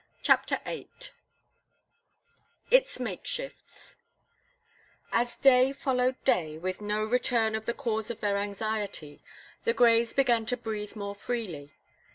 CHAPTER EIGHT ITS MAKESHIFTS As day followed day, with no return of the cause of their anxiety, the Greys began to breathe more freely.